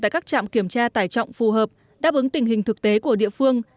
tại các trạm kiểm tra tải trọng phù hợp đáp ứng tình hình thực tế của địa phương